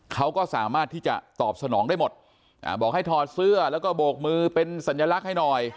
เขาก็สามารถที่จะตอบสนองได้หมดบอกให้ถอดเสื้อแล้วก็โบกมือเป็นสัญลักษณ์ให้หน่อย